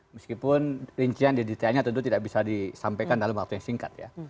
meskipun rincian di detailnya tentu tidak bisa disampaikan dalam waktu yang singkat ya